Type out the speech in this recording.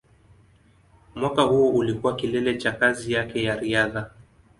Mwaka huo ulikuwa kilele cha kazi yake ya riadha.